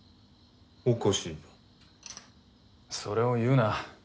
おかしい。それを言うな。